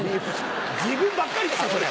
自分ばっかりでしょそれ。